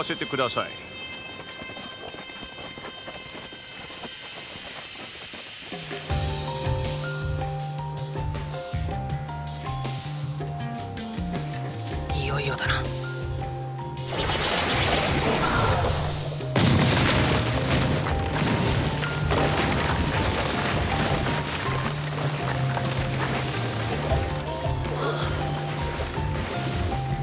いよいよだなああ！